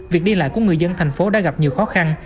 việc đi lại của người dân thành phố đã gặp nhiều khó khăn